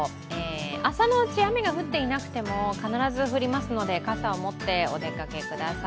朝のうち、雨が降っていなくても必ず降りますので傘を持ってお出かけください。